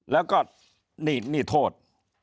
แล้วก็นี่โทษ